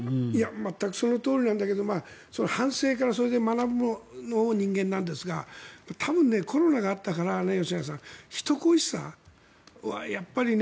全くそのとおりなんだけどその反省からそれで学ぶのも人間なんですが多分、コロナがあったから人恋しさはやっぱり。